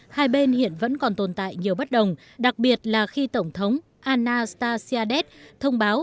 hai bên hiện vẫn còn tồn tại nhiều bất đồng đặc biệt là khi tổng thống anastasiades thông báo